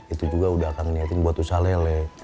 itu juga udah akan niatin buat usaha lele